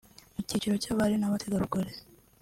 Mu cyiciro cy’abali n’abategarugori